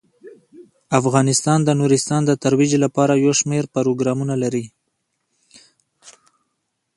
افغانستان د نورستان د ترویج لپاره یو شمیر پروګرامونه لري.